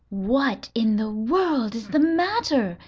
"What in the world is the matter?"